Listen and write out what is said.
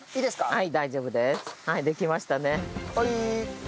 はい。